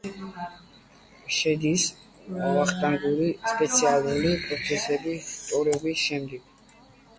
შედის ვანუატუს რესპუბლიკის პროვინცია ტორბას შემადგენლობაში.